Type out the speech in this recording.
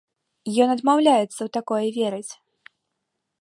Ён адмаўляецца ў такое верыць.